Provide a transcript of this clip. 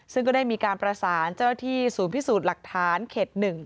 ซึ่งก็ได้มีการประสานเจ้าหน้าที่ศูนย์พิสูจน์หลักฐานเขต๑